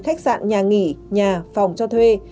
khách sạn nhà nghỉ nhà phòng cho thuê